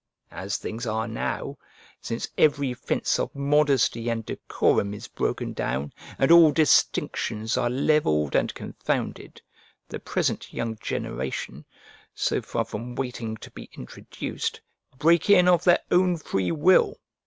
As things are now, since every fence of modesty and decorum is broken down, and all distinctions are levelled and confounded, the present young generation, so far from waiting to be introduced, break in of their own free will.